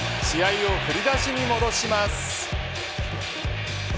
試合を振り出しに戻します。